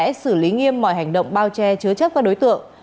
pháp luật sẽ xử lý nghiêm mọi hành động bao che chứa chấp các đối tượng